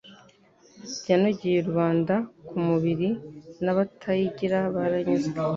Yanogeye rubanda ku mubiriN' abatayigira baranyuzwe